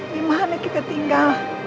dimana kita tinggal